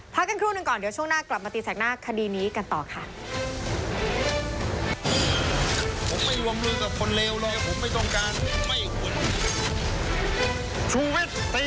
กันครู่หนึ่งก่อนเดี๋ยวช่วงหน้ากลับมาตีแสกหน้าคดีนี้กันต่อค่ะ